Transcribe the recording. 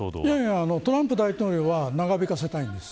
トランプ大統領は長引かせたいんです。